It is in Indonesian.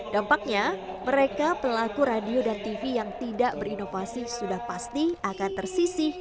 dampaknya mereka pelaku radio dan tv yang tidak berinovasi sudah pasti akan tersisih